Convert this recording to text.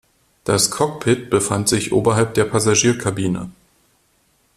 Das Cockpit befand sich oberhalb der Passagierkabine.